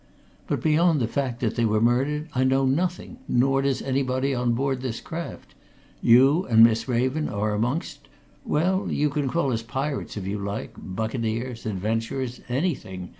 But beyond the fact that they were murdered, I know nothing nor does anybody on board this craft. You and Miss Raven are amongst well, you can call us pirates if you like, buccaneers, adventurers, anything!